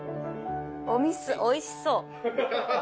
お水おいしそう。